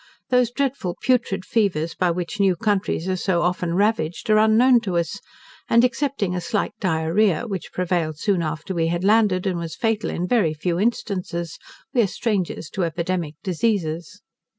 Those dreadful putrid fevers by which new countries are so often ravaged, are unknown to us: and excepting a slight diarrhoea, which prevailed soon after we had landed, and was fatal in very few instances, we are strangers to epidemic diseases.